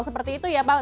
seperti itu ya pak